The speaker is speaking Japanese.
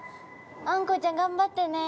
あんこうちゃん頑張ってね。